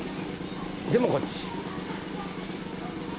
でもこっち。